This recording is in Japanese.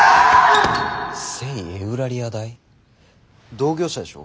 同業者でしょ。